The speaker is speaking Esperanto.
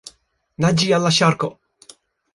Naĝi al la ŝarko!